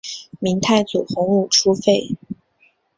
明太祖洪武初废。